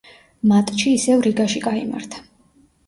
მატჩი ისევ რიგაში გაიმართა.